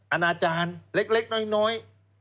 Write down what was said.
อาณาจารย์เล็กน้อย